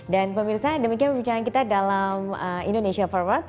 dan pemirsa demikian perbincangan kita dalam indonesia forward